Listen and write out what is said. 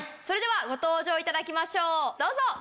それではご登場いただきましょうどうぞ。